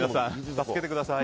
助けてください！